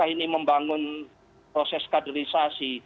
ini membangun proses kaderisasi